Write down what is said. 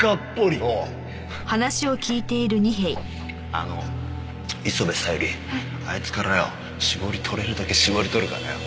あの磯部小百合あいつからよ搾り取れるだけ搾り取るからよ。